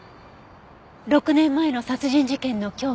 ６年前の殺人事件の凶器